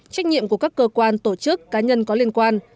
trách nhiệm của các cơ quan tổ chức cá nhân có liên quan